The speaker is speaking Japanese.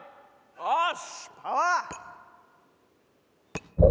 よし！